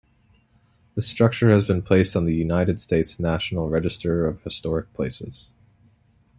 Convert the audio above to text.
This structure has been placed on the United States National Register of Historic Places.